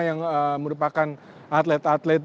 yang merupakan atlet atlet